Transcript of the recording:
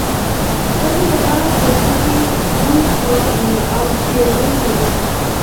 سپي په دغه کوټه کې غونج پروت دی او زګیروی کوي.